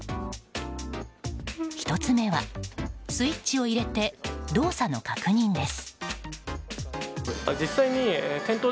１つ目はスイッチを入れて動作の確認です。